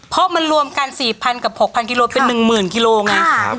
เพราะมันรวมกัน๔๐๐กับ๖๐๐กิโลเป็น๑๐๐กิโลไง